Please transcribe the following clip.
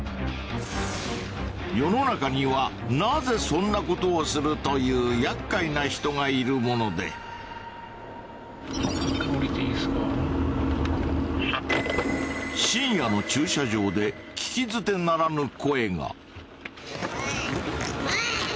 世の中にはなぜそんなことをするという厄介な人がいるもので。で聞き捨てならぬ声が。